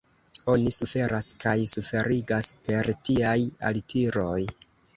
Oni suferas kaj suferigas per tiaj altiroj.